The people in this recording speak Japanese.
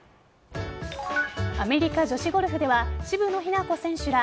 アメリカ女子ゴルフでは渋野日向子選手ら